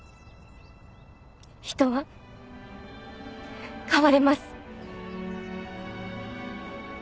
人は変われます。